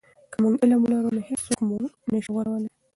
که موږ علم ولرو نو هیڅوک موږ نه سی غولولی.